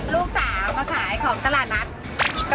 ลูกสาวมาขายของตลาดนัด